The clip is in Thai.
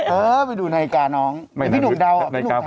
เออไปดูนายกาน้องนายกาของคุณเซน